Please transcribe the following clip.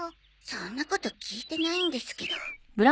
そんなこと聞いてないんですけど。